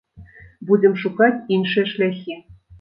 Будзем шукаць іншыя шляхі.